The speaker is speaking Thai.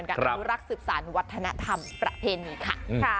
การรักสืบสารวัฒนธรรมประเภนนี้ค่ะ